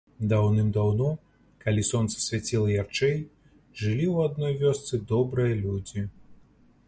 Даўным-даўно, калі сонца свяціла ярчэй, жылі ў адной весцы добрыя людзі.